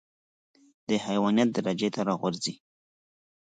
د حيوانيت درجې ته راغورځي.